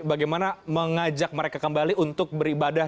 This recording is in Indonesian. bagaimana mengajak mereka kembali untuk beribadah